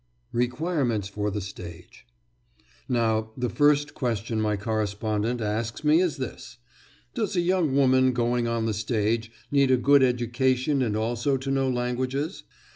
REQUIREMENTS FOR THE STAGE Now, the first question my correspondent asks me is this: "Does a young woman going on the stage need a good education and also to know languages?"